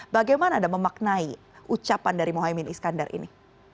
bagaimana ada memaknai ucapan dari mohamad iskandar ini